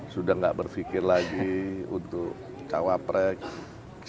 sudah gak berfikir lagi untuk cawaprek